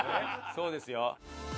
そうですよ。